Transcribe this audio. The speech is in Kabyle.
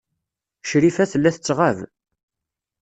Crifa tella tettɣab.